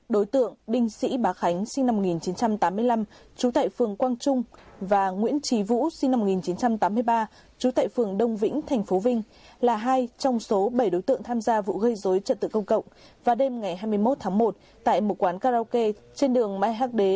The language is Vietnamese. đối tượng đinh sĩ bá khánh sinh năm một nghìn chín trăm tám mươi năm trú tại phường quang trung và nguyễn trí vũ sinh năm một nghìn chín trăm tám mươi ba trú tại phường đông vĩnh tp vinh là hai trong số bảy đối tượng tham gia vụ gây dối trật tự công cộng vào đêm ngày hai mươi một tháng một tại một quán karaoke trên đường mai hắc đế